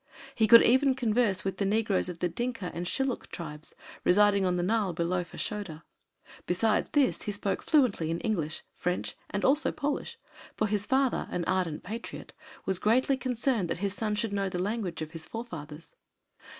He could even converse with the negroes of the Dinka and Shilluk tribes, residing on the Nile below Fashoda. Besides this, he spoke fluently English, French, and also Polish, for his father, an ardent patriot, was greatly concerned that his son should know the language of his forefathers.